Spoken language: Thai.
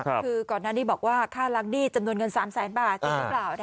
คือก่อนหน้านี้บอกว่าค่ารังดีจำนวนเงิน๓๐๐๐๐๐บาทนี่หรือเปล่า